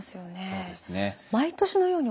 そうです。